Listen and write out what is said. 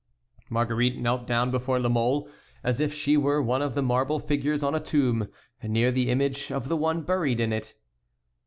Marguerite knelt down before La Mole, as if she were one of the marble figures on a tomb, near the image of the one buried in it.